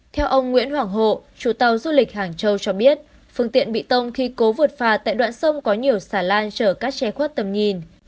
theo ông nguyễn hoàng hộ chủ tàu du lịch hàng châu cho biết phương tiện bị tông khi cố vượt pha tại đoạn sông có nhiều xà lan chở các che khuất tầm nhìn